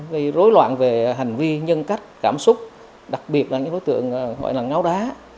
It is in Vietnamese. gây rối loạn về hành vi nhân cách cảm xúc đặc biệt là những đối tượng gọi là ngáo đá